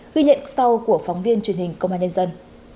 ghi nhận sau của phóng viên truyền hình công an nhân dân